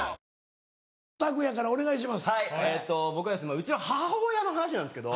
うちの母親の話なんですけど。